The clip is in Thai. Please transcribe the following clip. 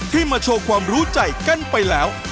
มาโชว์ความรู้ใจกันไปแล้ว